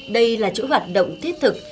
đây là chủ hoạt động thiết thực